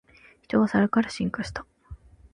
人はサルから進化した